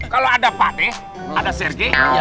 kalau ada pade ada sergei